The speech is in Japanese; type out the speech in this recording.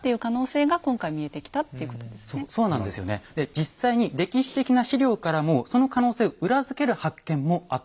実際に歴史的な史料からもその可能性を裏付ける発見もあったんです。